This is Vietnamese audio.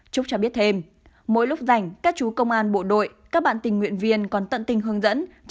trúc cho biết thêm mỗi lúc rảnh các chú công an bộ đội các bạn tình nguyện viên còn tận tình hướng dẫn